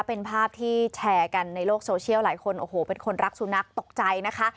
เป็นภาพที่แชร์กันในโลกโซเชียลหลายคนโอ้โหเป็นคนรักสุนัขตกใจนะคะ